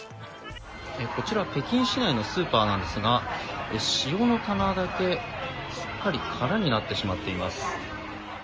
こちら、北京市内のスーパーなんですが塩の棚だけすっかり空になってしまっています。